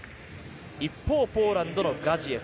一方、ポーランドのガジエフ。